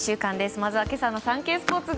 まずは今朝のサンケイスポーツ。